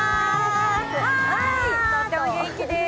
とっても元気です。